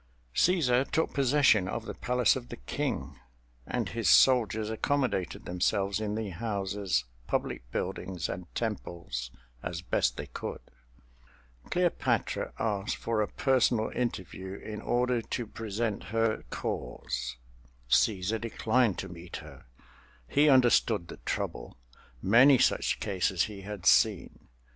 Cæsar took possession of the palace of the King, and his soldiers accommodated themselves in the houses, public buildings, and temples as best they could. Cleopatra asked for a personal interview, in order to present her cause. Cæsar declined to meet her—he understood the trouble—many such cases he had seen.